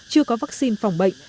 chưa có vaccine phòng bệnh